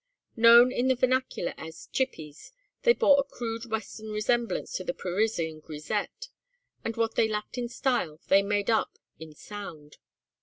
Known in the vernacular as "chippies," they bore a crude Western resemblance to the Parisian grisette, and what they lacked in style they made up in sound.